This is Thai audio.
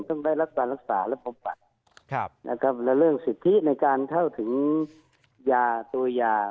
มันต้องได้รักษารักษาและประบัติและเรื่องสิทธิในการเข้าถึงยาตัวยา